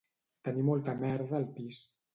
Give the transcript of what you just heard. Tenir molta merda al pis